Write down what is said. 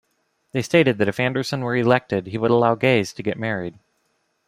They stated that if Anderson were elected he would allow gays to get married.